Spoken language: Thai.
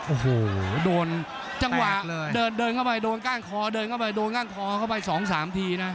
โอ้โหโดนจังหวะเดินเดินเข้าไปโดนก้านคอเดินเข้าไปโดนก้านคอเข้าไปสองสามทีนะ